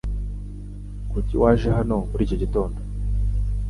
Kuki waje hano muri iki gitondo?